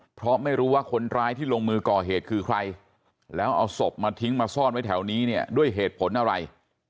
เพราะไม่รู้ว่าคนร้ายที่ลงมือก่อเหตุคือใครแล้วเอาศพมาทิ้งมาซ่อนไว้แถวนี้เนี่ยด้วยเหตุผลอะไร